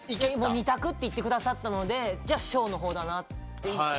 ２択って言ってくださったのでじゃあ小の方だなって。